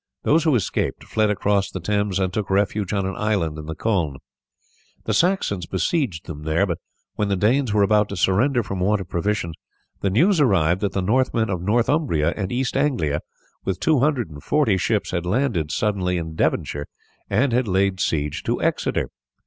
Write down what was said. Those who escaped fled across the Thames and took refuge on an island in the Colne. The Saxons besieged them there; but when the Danes were about to surrender from want of provisions the news arrived that the Northmen of Northumbria and East Anglia, with 240 ships, had landed suddenly in Devonshire, and had laid siege to Exeter.